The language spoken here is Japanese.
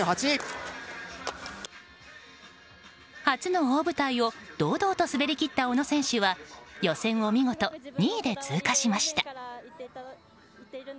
初の大舞台を堂々と滑り切った小野選手は予選を見事２位で通過しました。